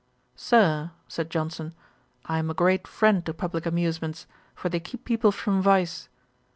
'Sir, (said Johnson,) I am a great friend to publick amusements; for they keep people from vice.